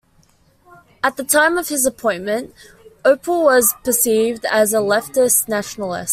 At the time of his appointment, Ople was perceived as a "leftist Nationalist".